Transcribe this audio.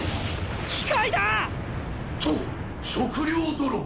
機械だ！と食料泥棒。